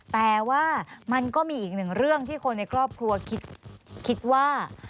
แต่ว่ามันก็มีอีกหนึ่งเรื่องที่คนในครอบครัวคิดว่า